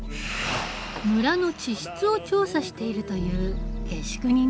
村の地質を調査しているという下宿人のネイト。